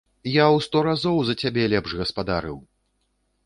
Я ў сто разоў за цябе лепш гаспадарыў!